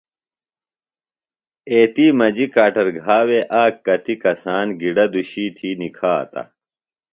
ایتی مجیۡ کاٹر گھا وے آک کتیۡ کسان گِڈہ دُشی تھی نِکھاتہ